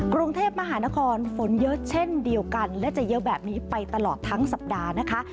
กรุงเทพมหานครฝนเยอะเช่นเดียวกันและจะเยอะแบบนี้ไปตลอดทั้งสัปดาห์นะคะ